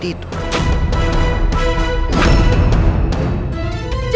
tidak seperti itu